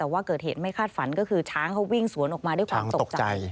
แต่ว่าเกิดเหตุไม่คาดฝันก็คือช้างเขาวิ่งสวนออกมาด้วยความตกใจ